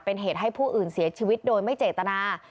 เป็นเหตุให้ผู้อื่นเสียชีวิตโดยไม่เจตนา